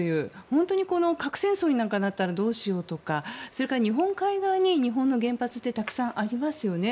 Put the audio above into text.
本当に核戦争なんかになっちゃったらどうしようとか、それから日本海側に日本の原発ってたくさんありますよね。